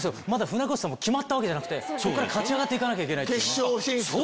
船越さん決まったわけじゃなくて勝ち上がって行かなきゃいけない。